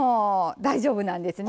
大丈夫なんですね。